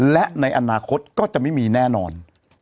และในอนาคตก็จะไม่มีแน่นอน